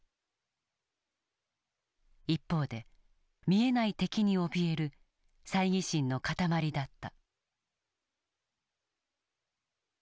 一方で見えない敵におびえるさいぎ心の塊だった。